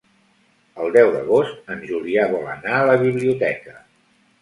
El deu d'agost en Julià vol anar a la biblioteca.